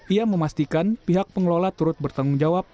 ia memastikan pihak pengelola turut bertanggung jawab